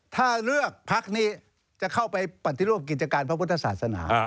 ถ้าเลือกพักนี้จะเข้าไปปฏิรูปกิจการพระพุทธศาสนา